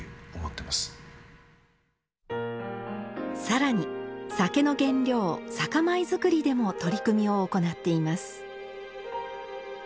更に酒の原料酒米作りでも取り組みを行っています